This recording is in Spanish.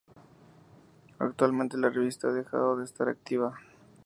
Actualmente la revista ha dejado de estar activa.